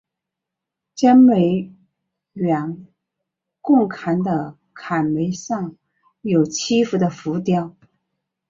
尖楣圆拱龛的龛楣上有七佛的浮雕。